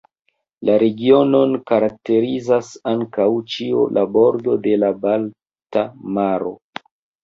La regionon karakterizas antaŭ ĉio la bordo de la Balta maro.